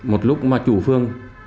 một lúc mà chủ phường